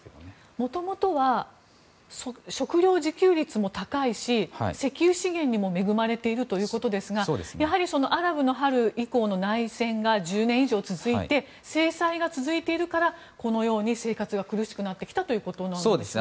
もともとは食料自給率も高いし石油資源にも恵まれているということですがやはりアラブの春以降、内戦が１０年以上続いて制裁が続いているからこのように生活が苦しくなってきたということでしょうか。